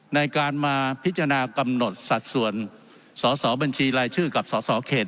ในการมาพิจารณากำหนดสัดส่วนสอสอบัญชีรายชื่อกับสสเขต